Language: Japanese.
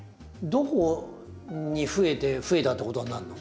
どこにふえてふえたってことになるの？